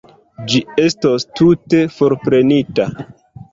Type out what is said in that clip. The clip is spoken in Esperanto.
Ĝi estos tute forprenita.